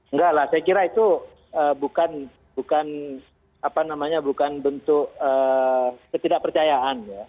enggak lah saya kira itu bukan bentuk ketidakpercayaan ya